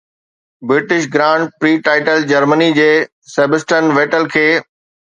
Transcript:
British grand prix title جرمني جي Sebastian Vettel کي